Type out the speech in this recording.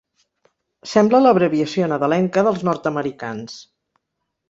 Sembla l'abreviació nadalenca dels nord-americans.